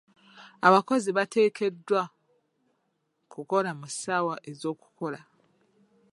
Abakozi bateekeddwa kukola mu ssaawa ez'okukola.